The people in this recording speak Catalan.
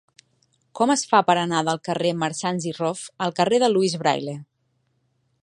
Com es fa per anar del carrer de Marsans i Rof al carrer de Louis Braille?